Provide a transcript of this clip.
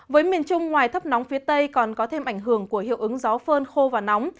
với miền trung ngoài thấp nóng phía tây còn có thêm ảnh hưởng của hiệu ứng gió phơn khô và nóng